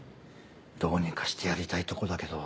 どうにかしてやりたいとこだけど。